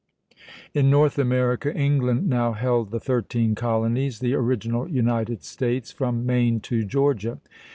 In North America, England now held the thirteen colonies, the original United States, from Maine to Georgia.